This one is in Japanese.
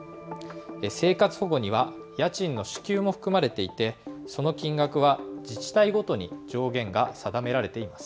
生活保護には家賃の支給も含まれていて、その金額は自治体ごとに上限が定められています。